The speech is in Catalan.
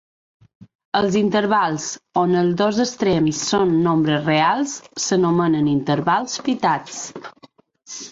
Els intervals on els dos extrems són nombres reals s'anomenen intervals fitats.